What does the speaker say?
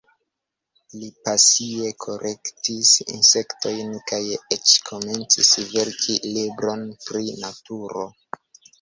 Li pasie kolektis insektojn kaj eĉ komencis verki libron pri naturo.